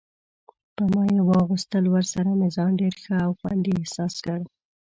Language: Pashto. په ما یې واغوستل، ورسره مې ځان ډېر ښه او خوندي احساس کړ.